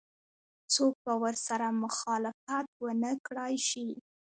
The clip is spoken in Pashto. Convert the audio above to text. څوک به ورسره مخالفت ونه کړای شي.